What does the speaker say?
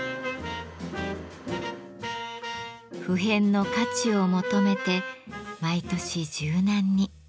不変の価値を求めて毎年柔軟に。